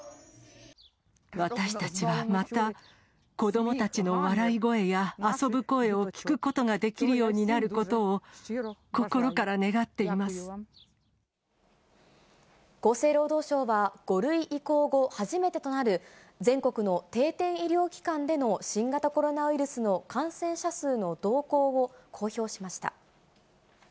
私たちはまた、子どもたちの笑い声や遊ぶ声を聞くことができるようになることを、厚生労働省は、５類移行後初めてとなる全国の定点医療機関での新型コロナウイルスの感染者数の動向を公表しました。